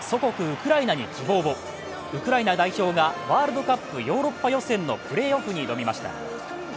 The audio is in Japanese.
ウクライナ代表がワールドカップヨーロッパ予選のプレーオフに挑みました。